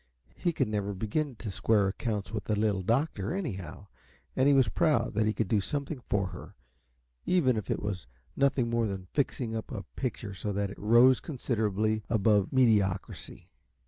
He could never begin to square accounts with the Little Doctor, anyhow, and he was proud that he could do something for her, even if it was nothing more than fixing up a picture so that it rose considerably above mediocrity.